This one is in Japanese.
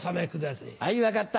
あい分かった。